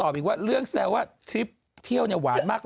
สอบอีกว่าเรื่องแซวัฒน์ทริปเที่ยววาดมาก